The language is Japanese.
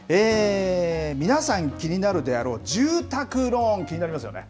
皆さん、気になるであろう住宅ローン、気になりますよね。